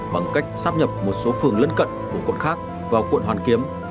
bằng cách xác nhập một số phường lân cận của quận khác vào quận hoàn kiếm